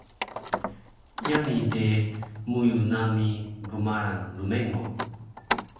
Yami de muyu nami gmarang rmengo